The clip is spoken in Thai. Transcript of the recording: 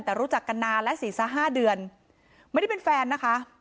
แต่รู้จักกันนานและสี่ห้าเดือนไม่ได้เป็นแฟนนะคะ